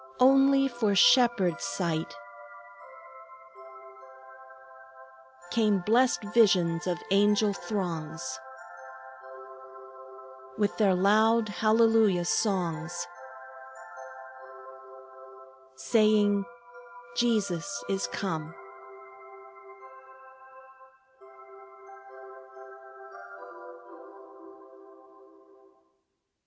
Only for shepherds' sight Came blest visions of angel throngs, With their loud Hallelujah songs, Saying, Jesus is come!"